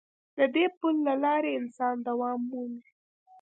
د دې پل له لارې انسان دوام مومي.